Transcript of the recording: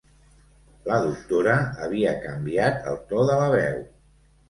La doctora havia canviat el to de la veu.